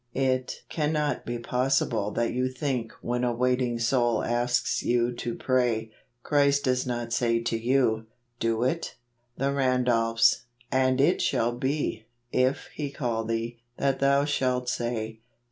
It cannot be possible that you think when a waiting soul asks you to pray, Christ does not say to you, " Do it" ? The Randolphs. " And it shall be, if he call thee, that thou shalt say.